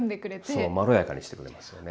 そうまろやかにしてくれますよね。